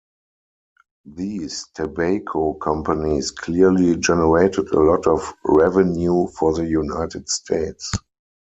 These tobacco companies clearly generated a lot of revenue for the United States.